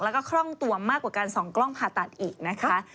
แล้วก็คล่องตัวมากกว่าการส่องกล้องผ่าตัดอีกนะคะ